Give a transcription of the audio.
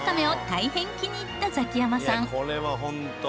「いやこれはホント」